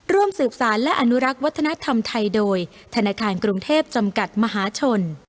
ร่วมสืบสารและอนุรักษ์วัฒนธรรมไทยโดยธนาคารกรุงเทพจำกัดมหาชน